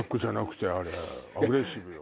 あれアグレッシブよ。